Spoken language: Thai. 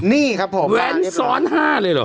นี่ครับผมแว้นซ้อน๕เลยเหรอ